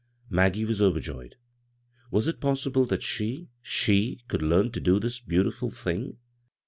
Maggie was overjoyed. Was it posable that she, she could learn to do this beautiful thing?